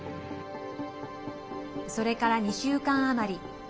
それから２週間余り。